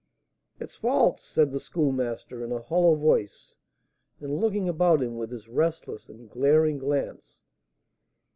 "It's false!" said the Schoolmaster, in a hollow voice, and looking about him with his restless and glaring glance.